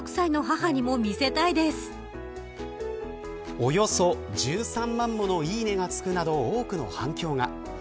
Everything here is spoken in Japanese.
およそ１３万ものいいねがつくなど多くの反響が。